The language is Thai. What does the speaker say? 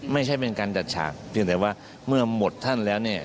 ไม่ใช่เป็นการจัดฉากเพียงแต่ว่าเมื่อหมดท่านแล้วเนี่ย